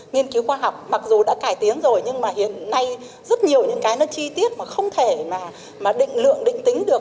nghiên cứu khoa học mặc dù đã cải tiến rồi nhưng mà hiện nay rất nhiều những cái nó chi tiết mà không thể mà định lượng định tính được